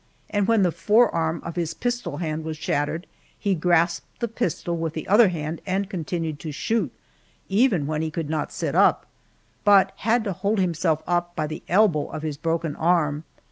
And when the forearm of his pistol hand was shattered, he grasped the pistol with the other hand and continued to shoot, even when he could not sit up, but had to hold himself up by the elbow of his broken arm.